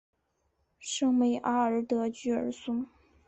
圣梅阿尔德居尔松。